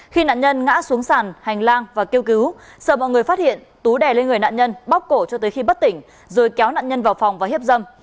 khi nạn nhân ngã xuống sàn hành lang và kêu cứu sở vào người phát hiện tú đè lên người nạn nhân bóc cổ cho tới khi bất tỉnh rồi kéo nạn nhân vào phòng và hiếp dâm